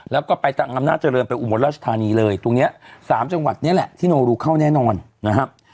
แล้วก็ไปทางอำนาจเจริญไปอุบลราชธานีเลยตรงนี้๓จังหวัดนี้แหละที่โนรูเข้าแน่นอนนะครับ